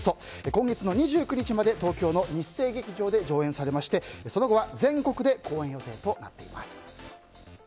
今月の２９日まで東京の日生劇場で上演されましてその後は全国で公演予定となっています。